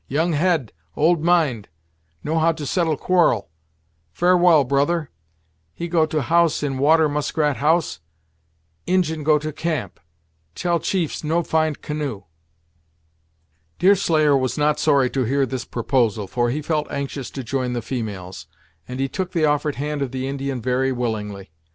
"Young head, old mind. Know how to settle quarrel. Farewell, brother. He go to house in water muskrat house Injin go to camp; tell chiefs no find canoe." Deerslayer was not sorry to hear this proposal, for he felt anxious to join the females, and he took the offered hand of the Indian very willingly.